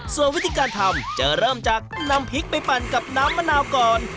ส่วนวิธีการทำจะเริ่มจากนำพริกไปปั่นกับน้ำมะนาวก่อน